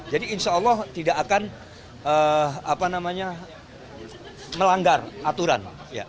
jadi insya allah tidak akan melanggar aturan